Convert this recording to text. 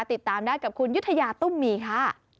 ติดตามได้กับคุณยุธยาตุ้มมีค่ะ